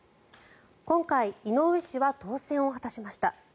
今回、井上氏は当選を果たしました。